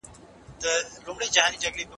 که وخت وي، انځورونه رسم کوم؟!